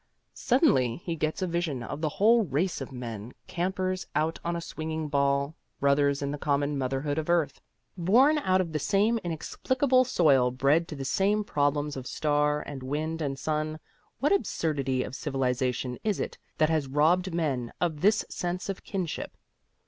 Suddenly he gets a vision of the whole race of men, campers out on a swinging ball, brothers in the common motherhood of earth. Born out of the same inexplicable soil bred to the same problems of star and wind and sun, what absurdity of civilization is it that has robbed men of this sense of kinship?